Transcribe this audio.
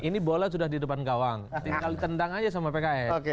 ini bola sudah di depan gawang tinggal ditendang aja sama pks